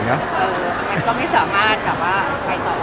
มันก็ไม่สามารถไปต่อไป